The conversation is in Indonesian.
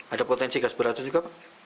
ada potensi gas beratus juga